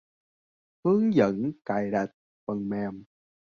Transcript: Hướng dẫn cài đặt phần mềm